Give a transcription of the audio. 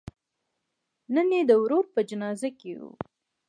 نن یې د ورور په جنازه کې و.